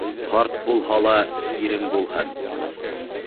Ҡарт булһа ла ирең булһын